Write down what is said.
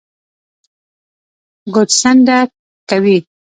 ګوتڅنډنه کوي